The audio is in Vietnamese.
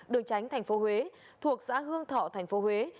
đường tránh thành phố huế thuộc xã hương thọ thành phố huế